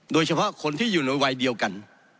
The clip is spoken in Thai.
โดยเฉพาะคนที่อยู่ในวัยเดียวกัน